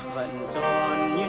vẫn cho em